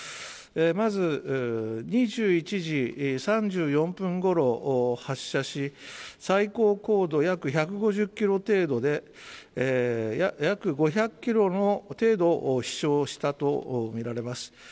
まず２１時３４分ごろ発射し最高高度、約１５０ｋｍ程度で約５００ｋｍ程度飛翔したとみられます。